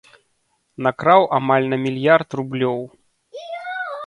Накраў амаль на мільярд рублёў.